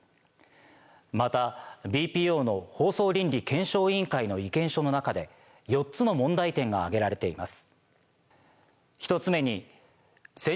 またＢＰＯの放送倫理検証委員会の意見書の中で４つの問題点が挙げられています。